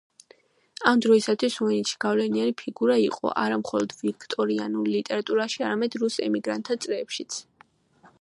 ამ დროისათვის ვოინიჩი გავლენიანი ფიგურა იყო არა მხოლოდ ვიქტორიანულ ლიტერატურაში, არამედ რუს ემიგრანტთა წრეებშიც.